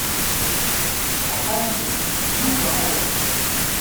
A xalti, d Yuba aya.